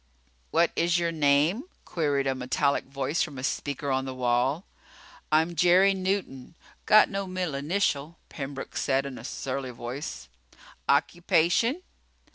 "What is your name?" queried a metallic voice from a speaker on the wall. "I'm Jerry Newton. Got no middle initial," Pembroke said in a surly voice. "Occupation?"